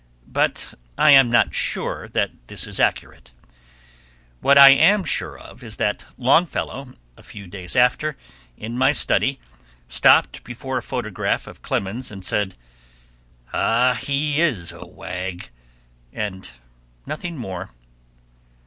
But I am not sure that this is accurate. What I am sure of is that Longfellow, a few days after, in my study, stopped before a photograph of Clemens and said, "Ah, he is a wag!" and nothing more.